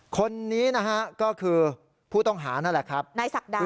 คนนี้นะฮะก็คือผู้ต้องหานั่นแหละครับ